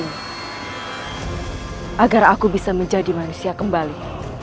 agar aku bisa menjadi manusia kembali